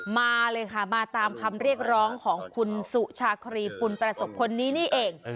มาเลยค่ะมาตามคำเรียกร้องของคุณสุชาครีปุณประสบคนนี้นี่เอง